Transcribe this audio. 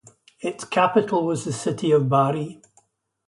Its capital was the city of Bari.